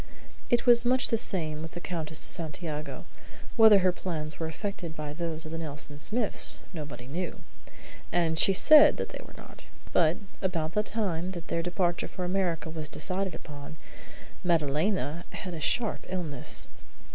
It was much the same with the Countess de Santiago. Whether her plans were affected by those of the Nelson Smiths, nobody knew; and she said that they were not. But about the time that their departure for America was decided upon, Madalena had a sharp illness.